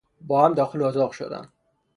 با هم داخل اتاق شدند.